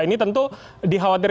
ini tentu dikhawatirkan